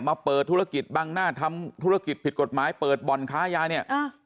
มาเปิดธุรกิจบังหน้าทำธุรกิจผิดกฎหมายเปิดบ่อนค้ายาเนี่ย